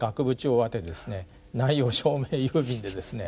内容証明郵便でですね